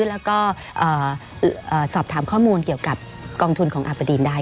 แล้วก็สอบถามข้อมูลเกี่ยวกับกองทุนของอาปดีนได้